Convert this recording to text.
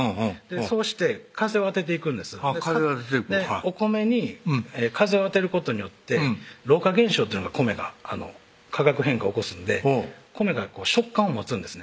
そうして風を当てていくんです風を当てていくお米に風を当てることによって老化現象っていうのが米が化学変化を起こすんで米が食感を持つんですね